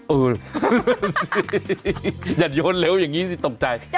อย่าโยนเร็วอย่างนี้สิตกใจ